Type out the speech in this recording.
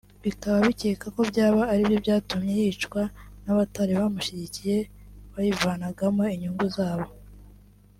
bikaba bikekwa ko byaba aribyo byatumye yicwa n’abatari bamushyigikiye bayivanagamo inyungu zabo